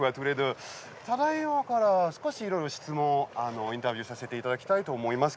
ただいまから、少しインタビューさせていただきたいと思います。